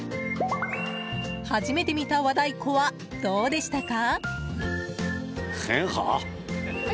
初めて見た和太鼓はどうでしたか？